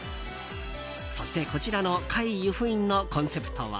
そしてこちらの界由布院のコンセプトは。